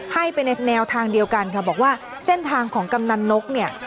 ให้ไปในแนวทางเดียวกันค่ะบอกว่าเส้นทางของกำนันนกเนี่ย